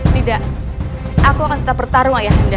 tidak aku akan tetap bertarung ayah